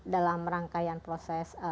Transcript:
dalam rangkaian proses